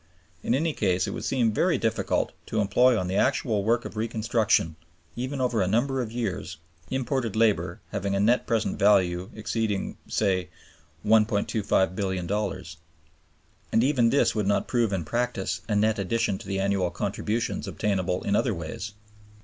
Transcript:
In any case, it would seem very difficult to employ on the actual work of reconstruction, even over a number of years, imported labor having a net present value exceeding (say) $1,250,000,000; and even this would not prove in practice a net addition to the annual contributions obtainable in other ways.